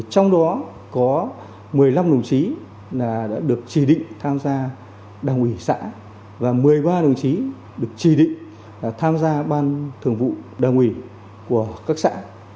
trong đó có một mươi năm đồng chí đã được chỉ định tham gia đảng ủy xã và một mươi ba đồng chí được chỉ định tham gia ban thường vụ đảng ủy của các xã